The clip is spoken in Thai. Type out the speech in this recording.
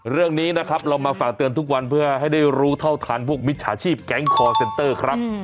เรื่องนี้นะครับเรามาฝากเตือนทุกวันเพื่อให้ได้รู้เท่าทันพวกมิจฉาชีพแก๊งคอร์เซ็นเตอร์ครับ